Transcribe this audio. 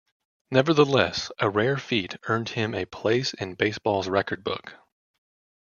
Nevertheless, a rare feat earned him a place in baseball's record book.